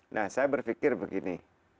nah saya berpikir begini